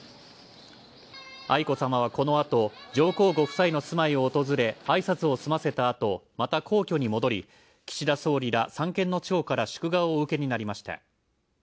愛子さまはこの後、上皇ご夫妻の住まいを訪れ挨拶を済ませた後、また皇居に戻り、岸田総理ら三権の長から祝賀をお受けになりました。